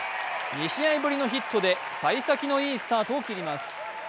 ２試合ぶりのヒットでさい先のいいスタートを切ります。